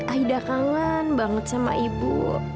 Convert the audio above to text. aida kangen banget sama ibu